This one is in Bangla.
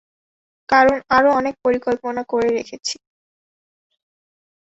কারণ, আরো অনেক পরিকল্পনা করে রেখেছি।